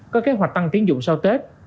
có kế hoạch tăng tiến dụng sau tết